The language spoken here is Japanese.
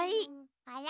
あら？